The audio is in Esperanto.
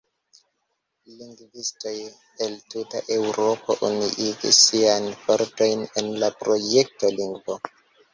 Lingvistoj el tuta Eŭropo unuigis siajn fortojn en la projekto lingvo.